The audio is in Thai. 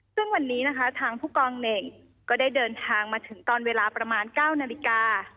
ซึ่งวันนี้ทางพเนกล์ก็ได้เดินทางมาถึงตอนเวลาประมาณ๙นาฬิกา